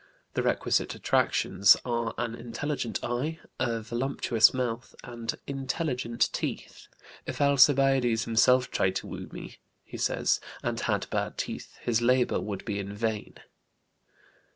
The requisite attractions are an intelligent eye, a voluptuous mouth, and "intelligent teeth." "If Alcibiades himself tried to woo me," he says, "and had bad teeth, his labor would be in vain."